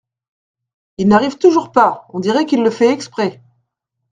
Il n’arrive toujours pas ! on dirait qu’il le fait exprès !